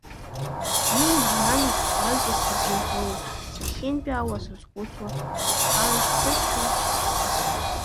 Дгьыли жәҩани скәаҩӡа срыбжьагылоуп, сахьынтәаауа сазхәыцуа, исхашҭызшәа сахьцо.